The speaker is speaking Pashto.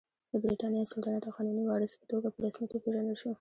د برېټانیا سلطنت د قانوني وارث په توګه په رسمیت وپېژندل شو.